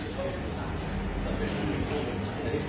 น่าว่ามาตัวเจอร์อ่ะ